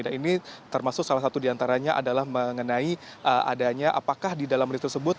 nah ini termasuk salah satu diantaranya adalah mengenai adanya apakah di dalam lift tersebut